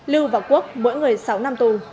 lưu vào quốc mỗi người sáu năm tù